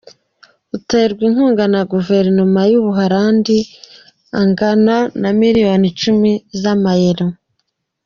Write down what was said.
Uterwa inkunga na Guverinoma y’u Buholandi ingana na miliyoni icumi z’amayero.